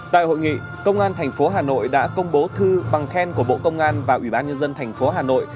tại hội nghị công an thành phố hà nội đã công bố thư bằng khen của bộ công an và ủy ban nhân dân thành phố hà nội